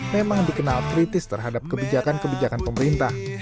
memang dikenal kritis terhadap kebijakan kebijakan pemerintah